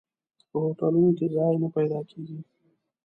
په هوټلونو کې ځای نه پیدا کېږي.